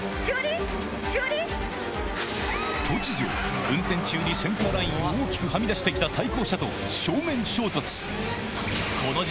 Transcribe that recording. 突如運転中にセンターラインを大きくはみ出してきた対向車と正面衝突